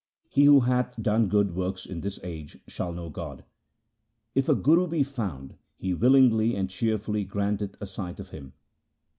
He who hath done good works in this age shall know God. If a Guru be found he willingly and cheerfully granteth a sight of Him.